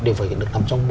đều phải được nằm trong